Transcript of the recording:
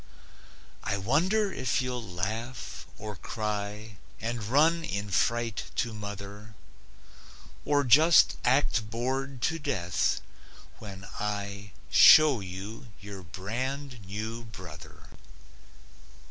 I wonder if you'll laugh, or cry And run in fright to mother, Or just act bored to death, when I Show you your brand new brother.